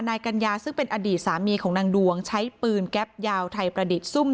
นายกัญญาซึ่งเป็นอดีตสามีของนางดวงใช้ปืนแก๊ปยาวไทยประดิษฐ์ซุ่ม